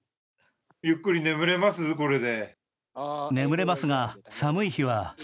ゆっくり眠れます、これで？